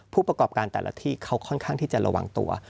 ผู้ประกอบการแต่ละที่เขาค่อนข้างที่จะระวังตัว